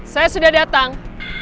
saya sudah datang